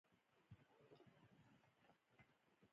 افغانستان زما پیژندګلوي ده؟